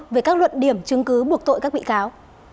về các luận điểm chứng cứ buộc tội các bị cáo